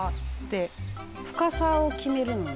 「深さを決めるのに」